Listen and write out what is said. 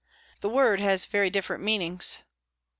"The word has very different meanings."